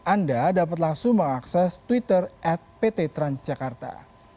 anda dapat langsung mengakses twitter at pt transjakarta